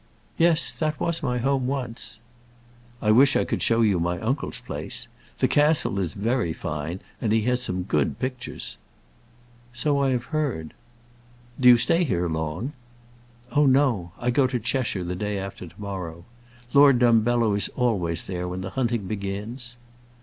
"Yes; that was my home once." "I wish I could show you my uncle's place. The castle is very fine, and he has some good pictures." "So I have heard." "Do you stay here long?" "Oh, no. I go to Cheshire the day after to morrow. Lord Dumbello is always there when the hunting begins."